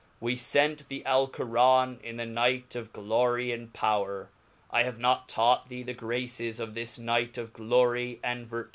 We fcnt the ^Alcoran in the night of Glory and Power, I have not taught thee the graces of this night of glory and ver.